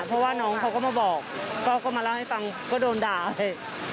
เพราะว่าน้องเขาก็มาบอกก็มาเล่าให้ฟังก็โดนด่าเลย